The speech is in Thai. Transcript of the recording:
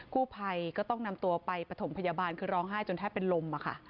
กู้ภัยก็ต้องนำตัวไปปฐมพยาบาลคือร้องไห้จนแทบเป็นลม